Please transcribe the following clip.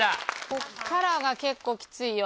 ここからが結構きついよ。